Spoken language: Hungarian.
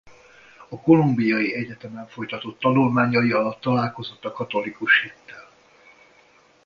A Columbia Egyetemen folytatott tanulmányai alatt találkozott a katolikus hittel.